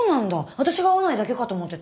私が合わないだけかと思ってた。